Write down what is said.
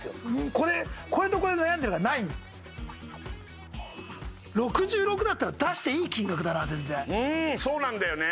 これ「これとこれ悩んでる」がない６６だったら出していい金額だな全然うんそうなんだよね